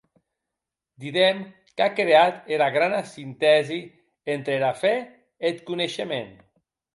Didem qu'a creat era grana sintèsi entre era fe e eth coneishement.